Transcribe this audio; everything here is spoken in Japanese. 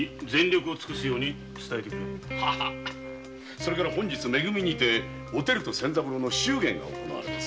それから本日「め組」でおてると仙三郎の祝言が行われます。